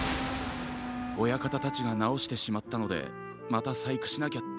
親方たちがなおしてしまったのでまたさいくしなきゃって。